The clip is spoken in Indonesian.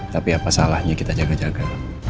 tapi apa salahnya kita jaga jaga